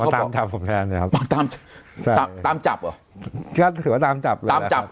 ตามจับผมแทนนะครับตามจับหรอก็ถือว่าตามจับเลยแหละครับ